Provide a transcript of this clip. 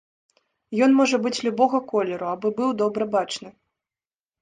Ён можа быць любога колеру, абы быў добра бачны.